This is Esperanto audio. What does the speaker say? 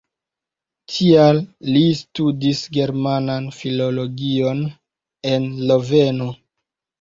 Tial li studis Germanan filologion en Loveno.